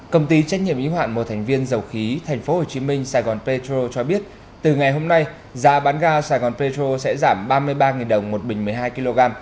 công ty trách nhiệm ý hoạn một thành viên dầu khí tp hcm saigon petro cho biết từ ngày hôm nay giá bán ga saigon petro sẽ giảm ba mươi ba đồng một bình một mươi hai kg